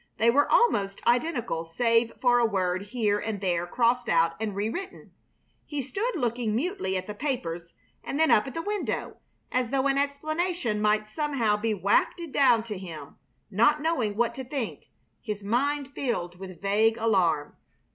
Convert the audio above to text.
They were almost identical save for a word here and there crossed out and rewritten. He stood looking mutely at the papers and then up at the window, as though an explanation might somehow be wafted down to him, not knowing what to think, his mind filled with vague alarm.